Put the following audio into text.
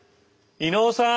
伊能さん。